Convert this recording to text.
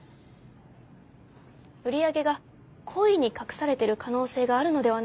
売り上げが故意に隠されてる可能性があるのではないかと。